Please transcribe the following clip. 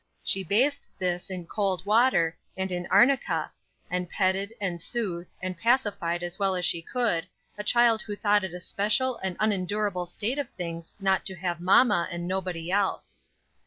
She bathed this in cold water, and in arnica, and petted, and soothed, and pacified as well as she could a child who thought it a special and unendurable state of things not to have mamma and nobody else.